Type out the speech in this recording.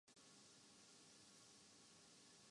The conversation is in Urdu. شعیب ملک دنیا کے